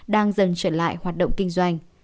đang dần trở lại hoạt động kinh doanh